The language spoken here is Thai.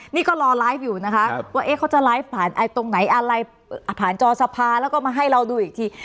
นี่ก็รอไลฟ์อยู่นะคะว่าเขาจะไลฟ์ผ่านตรงไหนอะไรผ่านจอสภาแล้วก็มาให้เราดูอีกที